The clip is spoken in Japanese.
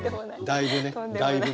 だいぶね！